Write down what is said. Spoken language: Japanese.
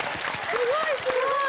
すごいすごい！